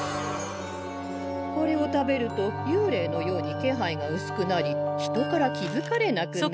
これを食べるとゆうれいのように気配がうすくなり人から気付かれなくなる。